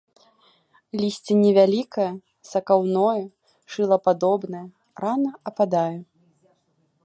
Лісце невялікае сакаўное, шылападобнае, рана ападае.